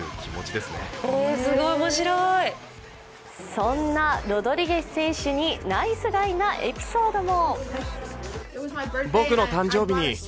そんなロドリゲス選手にナイスガイなエピソードも。